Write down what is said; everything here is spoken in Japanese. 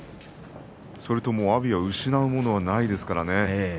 それと阿炎は失うものはないですからね。